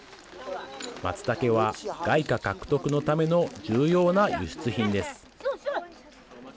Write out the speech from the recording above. まつたけは外貨獲得のための重要な輸出品です。